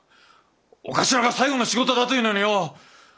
お頭が最後の仕事だというのによ！